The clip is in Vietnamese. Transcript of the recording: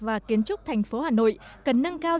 và kiến trúc thành phố hà nội cần nâng cao